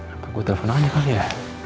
apa gue telfon aja kali ya